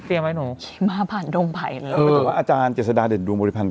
เตรียมไหมหนูขี่ม้าผ่านดวงไผ่เอออาจารย์เจษฎาเด็ดดวงบริภัณฑ์